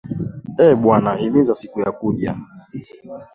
Ee Bwana himiza siku ya kuja